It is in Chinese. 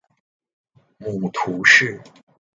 母屠氏。